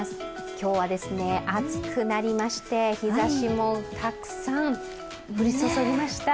今日は暑くなりまして、日ざしもたくさん降り注ぎました。